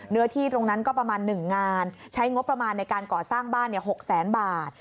เนื้อที่ตรงนั้นก็ประมาณ๑งานใช้งบประมาณในการก่อสร้างบ้าน๖แสนบาท